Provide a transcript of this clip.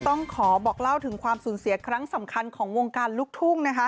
ต้องขอบอกเล่าถึงความสูญเสียครั้งสำคัญของวงการลูกทุ่งนะคะ